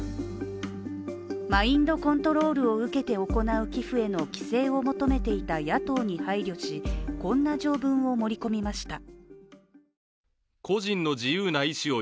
マインドコントロールを受けて行う寄付への規制を求めていた野党に配慮しこんな条文を盛り込みました。